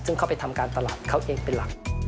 ซึ่งเขาไปทำการตลาดเขาเองเป็นหลัก